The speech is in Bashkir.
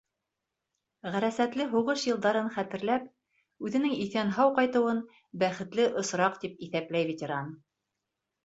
Ғәрәсәтле һуғыш йылдарын хәтерләп, үҙенең иҫән-һау ҡайтыуын бәхетле осраҡ тип иҫәпләй ветеран.